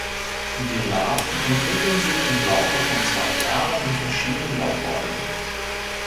Die Larven entwickeln sich im Laufe von zwei Jahren in verschiedenen Laubbäumen.